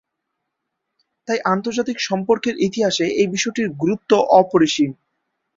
তাই আন্তর্জাতিক সম্পর্কের ইতিহাসে এই বিষয়টির গুরুত্ব অপরিসীম।